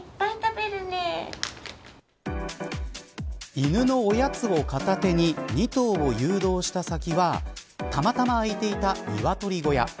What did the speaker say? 犬のおやつを片手に２頭を誘導した先はたまたま開いていたニワトリ小屋。